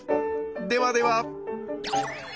ではでは。